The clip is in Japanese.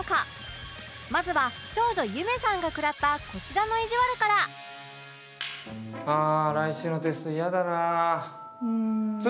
まずは長女夢さんが食らったこちらのいじわるからです。